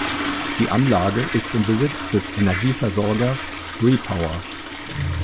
Die Anlage ist im Besitz des Energieversorgers Repower.